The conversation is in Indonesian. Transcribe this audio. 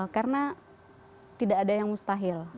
karena tidak ada yang mustahil